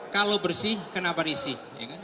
kalau bersih kenapa risih